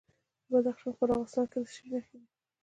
د بدخشان په راغستان کې د څه شي نښې دي؟